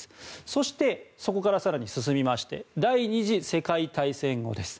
そして、そこから更に進みまして第２次世界大戦後です。